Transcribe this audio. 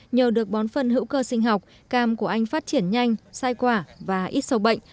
nhờ được bón phân hữu cơ sinh học cam của anh phát triển nhanh sai quả và ít sầu bệnh